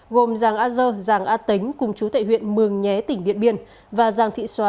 gồm giàng a dơ giàng a tính cùng chú tại huyện mường nhé tỉnh điện biên và giàng thị xóa